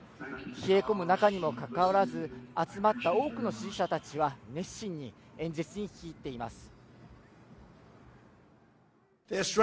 冷え込む中にもかかわらず、集まった多くの支持者たちは熱心に演説に聞き入っています。